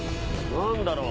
何だろう？